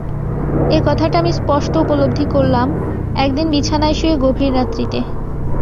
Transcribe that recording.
এ কথাটা আমি স্পষ্ট উপলব্ধি করলাম একদিন বিছানায় শুয়ে গভীর রাত্রিতে।